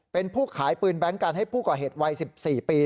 เป็นผู้ขายปืนแบงค์กันให้ผู้ก่อเหตุวัย๑๔ปี